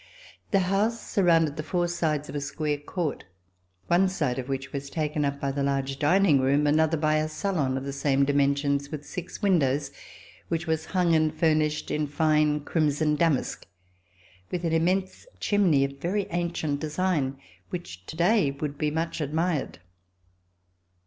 The house surrounded the four sides of a square court, one side of which was taken up by the large dining room, another by a salon of the same dimensions, with six windows, which was hung and furnished in fine crimson damask, with an immense chimney of very ancient design, which to day would be much admired.